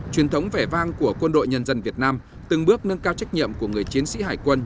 truyền thống vẻ vang của quân đội nhân dân việt nam từng bước nâng cao trách nhiệm của người chiến sĩ hải quân